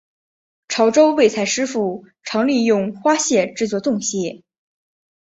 潮洲味菜师傅常利用花蟹制作冻蟹。